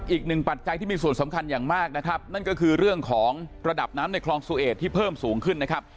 ปัจจัยที่มีส่วนสำคัญอย่างมากนะครับนั่นก็คือเรื่องของระดับน้ำในคลองซูเอดที่เพิ่มสูงขึ้นนะครับ